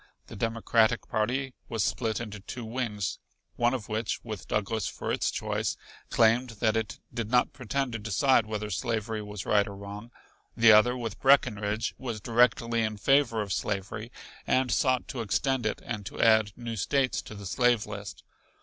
The Democratic party was split into two wings, one of which, with Douglas for its choice, claimed that it did not pretend to decide whether slavery was right or wrong; the other with Breckenridge was directly in favor of slavery and sought to extend it and to add new States to the slave list.